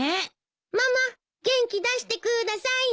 ママ元気出してください！